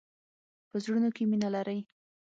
په زړونو کې مینه لری.